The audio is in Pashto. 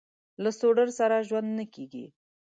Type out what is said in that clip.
له سوډرسره ژوند نه کېږي.